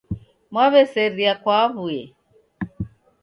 Mwaw'eseria kwa aw'uye